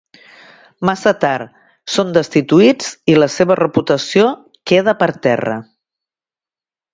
Massa tard, són destituïts i la seva reputació queda per terra.